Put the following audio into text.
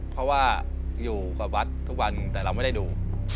เพราะว่าอยู่กับวัดทุกวันแต่เราไม่ได้ดู